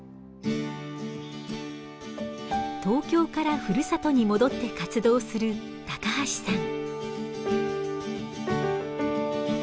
東京からふるさとに戻って活動する橋さん。